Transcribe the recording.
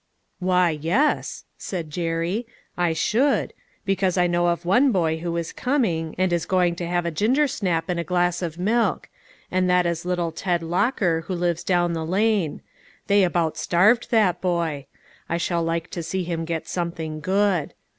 " Why, yes," said Jerry, " I should ; because I know of one boy who is coming, and is going to have a ginger snap and .a glass of milk. And that is little Ted Locker who lives down the lane; they about starve that boy. I shall like to see him get something good.